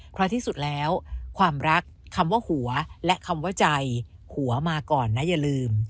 เพราะที่สุดแล้วความรักคำว่าหัวและคำว่าใจหัวมาก่อนนะอย่าลืม